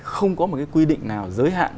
không có một cái quy định nào giới hạn